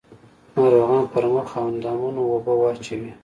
ناروغان پر مخ او اندامونو اوبه واچوي.